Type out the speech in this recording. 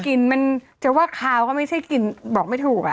มันจะว่าคาวก็ไม่ใช่กลิ่นบอกไม่ถูก